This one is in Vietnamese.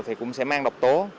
thì cũng sẽ mang độc tố